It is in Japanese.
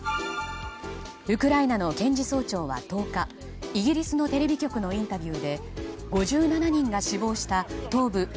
ウクライナの検事総長は１０日イギリスのテレビ局のインタビューで５７人が死亡した東部